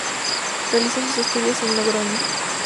Realizó sus estudios en Logroño.